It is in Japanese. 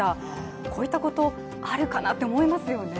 こういったこと、あるかなと思いますよね。